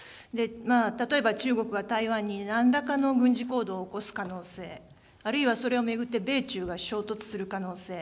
例えば中国は台湾になんらかの軍事行動を起こす可能性、あるいはそれを巡って、米中が衝突する可能性。